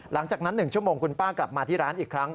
หลังจากนั้น๑ชั่วโมงคุณป้ากลับมาที่ร้านอีกครั้ง